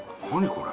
これ。